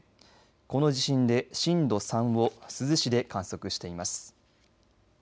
この地震で震度３を珠洲市で観測しています。